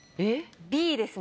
Ｂですね。